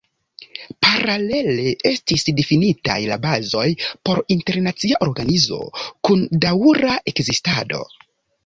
Paralele estis difinitaj la bazoj por internacia organizo, kun daŭra ekzistado.